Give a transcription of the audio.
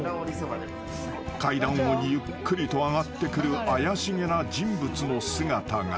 ［階段をゆっくりと上がってくる怪しげな人物の姿が］